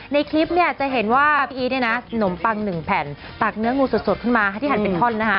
ในคลิปจะเห็นว่าพี่อีทน้ำปัง๑แผ่นตากเนื้องูสดขึ้นมาที่หันเป็นท่อน